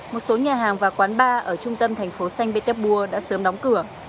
một số nhà hàng và quán bar ở trung tâm thành phố xanh bê tép bua đã sớm đóng cửa